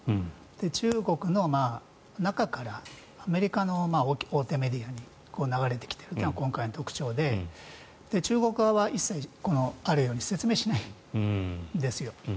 中国の中からアメリカの大手メディアに流れてきているというのが今回の特徴で中国側は一切説明しないんです。